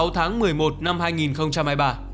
sáu tháng một mươi một năm hai nghìn hai mươi ba